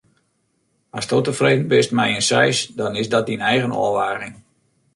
Asto tefreden bist mei in seis, dan is dat dyn eigen ôfwaging.